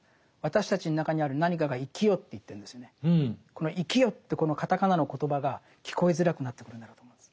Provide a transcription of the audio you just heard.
この「生きよ」ってこのカタカナのコトバが聞こえづらくなってくるんだろうと思うんです。